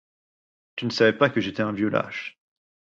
Tu ne savais pas que j'étais un vieux lâche.